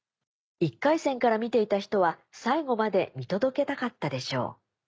１回戦から見ていた人は最後まで見届けたかったでしょう。